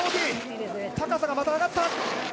高さがまた上がった。